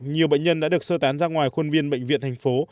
nhiều bệnh nhân đã được sơ tán ra ngoài khuôn viên bệnh viện thành phố